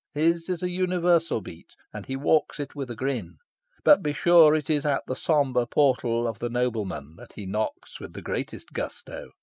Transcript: His is an universal beat, and he walks it with a grin. But be sure it is at the sombre portal of the nobleman that he knocks with the greatest gusto.